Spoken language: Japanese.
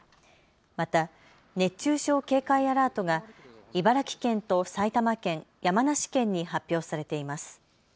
また、熱中症警戒アラートが茨城県と埼玉県、山梨県に発表されています。